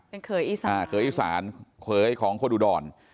เป็นเขยอีสานอ่าเขยอีสานเขยของคนอุดร